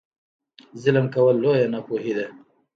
ظلم کول لویه ناپوهي ده.